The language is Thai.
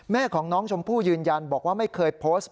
แม่ของน้องชมพู่ยืนยันบอกว่าไม่เคยโพสต์